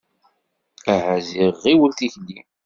Aha ziɣ ɣiwel tikli.